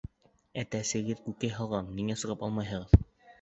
Әтәсегеҙ күкәй һалған, ниңә сығып алмайһығыҙ!